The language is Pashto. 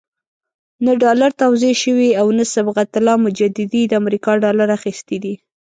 نه ډالر توزیع شوي او نه صبغت الله مجددي د امریکا ډالر اخیستي دي.